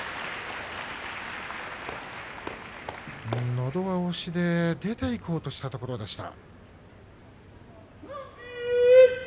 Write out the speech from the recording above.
のど輪押しで出ていこうとしたところでした。